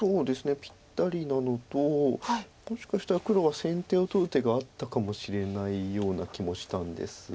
ぴったりなのともしかしたら黒は先手を取る手があったかもしれないような気もしたんですが。